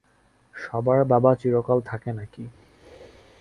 সবার বাবা চিরকাল থাকে নাকি?